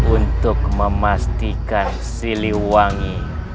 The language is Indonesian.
untuk memastikan siliwangi